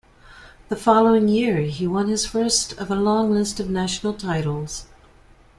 The following year, he won his first of a long list of national titles.